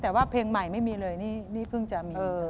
แต่ว่าเพลงใหม่ไม่มีเลยนี่เพิ่งจะมี